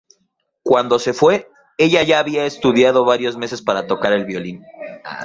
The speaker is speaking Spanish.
Cuando se fue, ella ya había estudiado varios meses para tocar el violín.